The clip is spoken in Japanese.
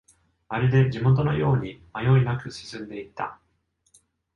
まるで地元のように迷いなく進んでいった